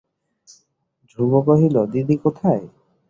ধ্রুব কহিল, দিদি কোথায়?